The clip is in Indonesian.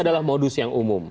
adalah modus yang umum